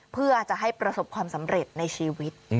เพื่อจะให้ประสบความสำเร็จในชีวิต